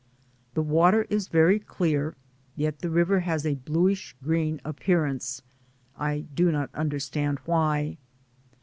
The water is very clear, yet the river has a bluish green appearance. I do not under stand why.